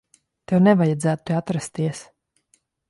Tev nevajadzētu te atrasties.